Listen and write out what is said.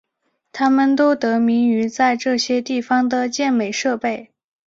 它们都得名于在这些地方的健美设备。